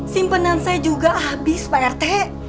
simpenan saya juga habis pak rt